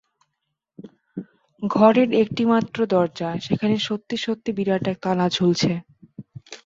ঘরের একটিমাত্র দরজা, সেখানে সত্যি-সত্যি বিরাট একটা তালা ঝুলছে।